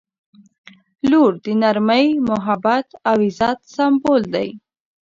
• لور د نرمۍ، محبت او عزت سمبول دی.